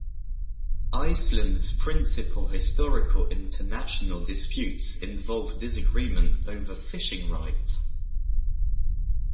Iceland's principal historical international disputes involved disagreements over fishing rights.